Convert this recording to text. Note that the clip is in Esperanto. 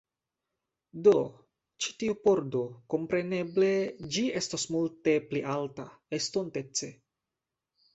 Do, ĉi tiu pordo, kompreneble, ĝi estos multe pli alta, estontece